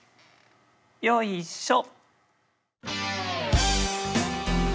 よいしょ。